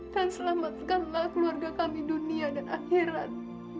dan selamatkanlah keluarga kami dunia dan akhirat